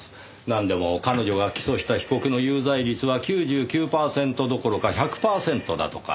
なんでも彼女が起訴した被告の有罪率は９９パーセントどころか１００パーセントだとか。